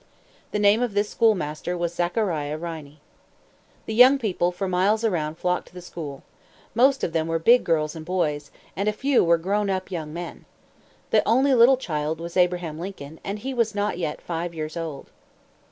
The name of this schoolmaster was Zachariah Riney. The young people for miles around flocked to the school. Most of them were big boys and girls, and a few were grown up young men. The only little child was Abraham Lincoln, and he was not yet five years old.